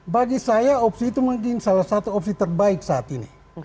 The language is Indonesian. bagi saya opsi itu mungkin salah satu opsi terbaik saat ini